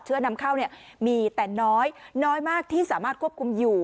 นำเข้ามีแต่น้อยน้อยมากที่สามารถควบคุมอยู่